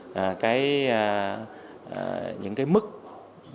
những cái mức những cái quyết định những cái quyết định